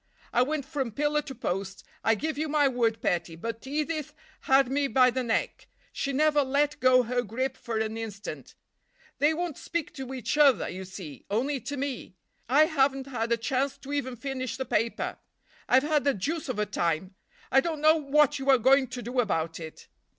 I went from pillar to post, I give you my word, petty, but Edith had me by the neck; she never let go her grip for an instant. They won't speak to each other, you see, only to me. I haven't had a chance to even finish the paper. I've had the deuce of a time! I don't know what you are going to do about it."